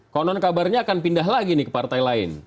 konon kabarnya akan pindah lagi nih ke partai lain